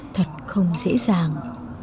thật không dễ dàng